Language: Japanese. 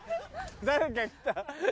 誰か来た。